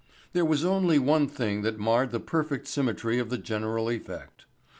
There was only one thing that marred the perfect symmetry of the general effect.